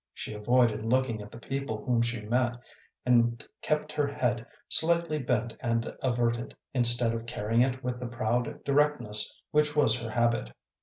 She avoided looking at the people whom she met, and kept her head slightly bent and averted, instead of carrying it with the proud directness which was her habit.